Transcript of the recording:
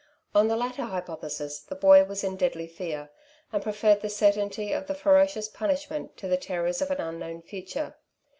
On the latter hypothesis, the boy was in deadly fear, and preferred the certainty of the ferocious punishment to the terrors of an unknown future.